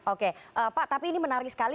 oke pak tapi ini menarik sekali